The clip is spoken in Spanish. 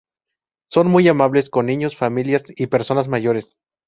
Son muy amables con niños, familias y personas mayores.